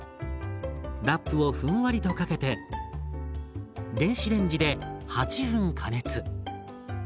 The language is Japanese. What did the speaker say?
ラップをふんわりとかけて電子レンジで８分加熱。